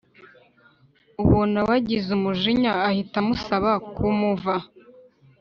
ubona wagize umujinya ahta amusaba kumuva